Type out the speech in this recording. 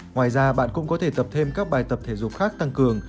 ngoài ra bạn cũng có thể tập thêm các bài tập thể dục khác tăng cường